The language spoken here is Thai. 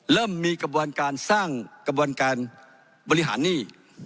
เริ่มมีกระบวนการสร้างกระบวนการบริหารหนี้